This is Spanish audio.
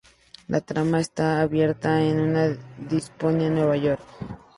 La trama está ambientada en una distópica Nueva York.